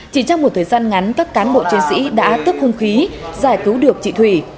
chỉ trong một thời gian ngắn các cán bộ chiến sĩ đã tức hung khí giải cứu được chị thủy